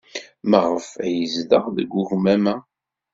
Maɣef ay tezdeɣ deg ugmam-a?